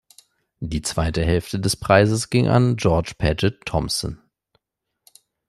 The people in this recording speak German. Die zweite Hälfte des Preises ging an George Paget Thomson.